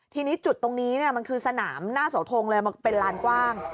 ทีนี้จุดตรงนี้มันคือสนามหน้าเสาทงเลยมันเป็นลานกว้าง